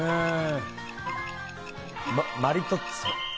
マリトッツォ。